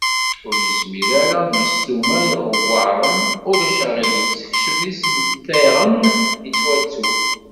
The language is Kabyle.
Ur yezmir ara ad d-isumer iɣewwaṛen, ma ulac aɣilif sekcem isenneftaɣen yettwattun.